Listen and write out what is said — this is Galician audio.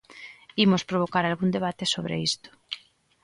Imos provocar algún debate sobre isto.